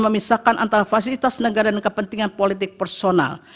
memisahkan antara fasilitas negara dan kepentingan politik personal